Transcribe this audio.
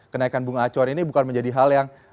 kenaikan bunga acuan ini bukan menjadi hal yang